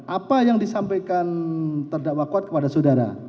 apa yang disampaikan terdakwa kuat kepada saudara